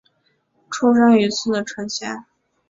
出身于茨城县。